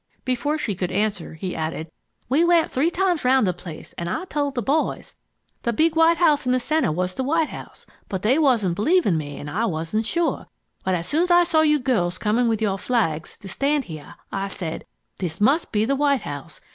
Before she could answer, he added: "We went three times around the place and I told the boys, the big white house in the center was the White House, but they wasn't believing me and I wasn't sure, but as soon as I saw you girls coming with your flags, to stand here, I said, 'This must be the White House.